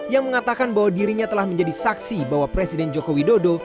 yang mengatakan bahwa dirinya telah menjadi saksi bahwa presiden joko widodo